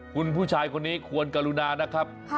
คุณผู้ชายคนนี้ควรกรุณานะครับ